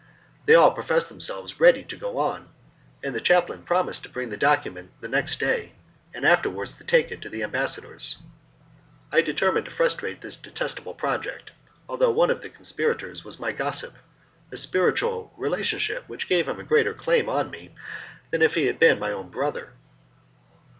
They all professed themselves ready to go on, and the chaplain promised to bring the document the next day, and afterwards to take it to the ambassadors. "I determined to frustrate this detestable project, although one of the conspirators was my gossip a spiritual relationship which gave him a greater claim on me than if he had been my own brother.